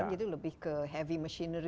jadi lebih ke heavy machinery